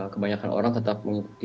kebanyakan orang tetap